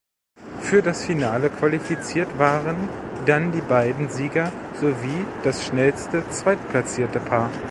Für das Finale qualifiziert waren dann die beiden Sieger sowie das schnellste zweitplatzierte Paar.